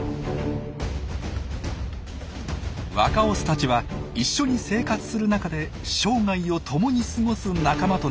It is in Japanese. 若オスたちは一緒に生活する中で生涯を共に過ごす仲間となります。